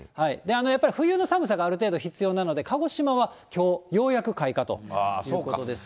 やっぱり冬の寒さがある程度必要なので、鹿児島はきょうようやく開花ということですね。